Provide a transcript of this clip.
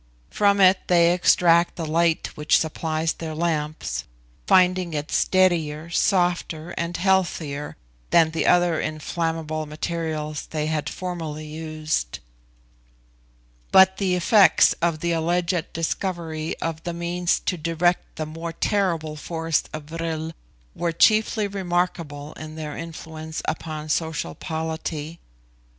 From it they extract the light which supplies their lamps, finding it steadier, softer, and healthier than the other inflammable materials they had formerly used. But the effects of the alleged discovery of the means to direct the more terrible force of vril were chiefly remarkable in their influence upon social polity.